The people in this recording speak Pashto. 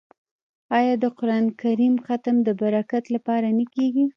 آیا د قران کریم ختم د برکت لپاره نه کیږي؟